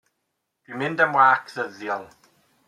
Dw i'n mynd am wâc ddyddiol.